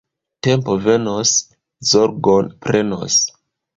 Tempo venos, zorgon prenos.